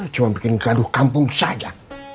cuma bikin gaduh kampung saja